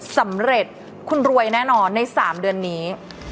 สำเร็จคุณรวยแน่นอนใน๓เดือนนี้